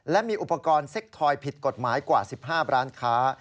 และมีอุปกรณ์เซ็กทอยผิดกฎหมายกว่า๑๕ร้านค้า